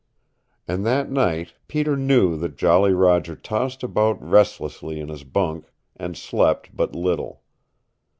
And that night Peter knew that Jolly Roger tossed about restlessly in his bunk, and slept but little.